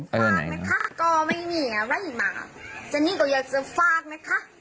ก็ไม่มีอะไรมาฉะนี้ก็อยากจะฝากนะคะ